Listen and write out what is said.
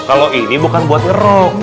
kalau ini bukan buat nyeruk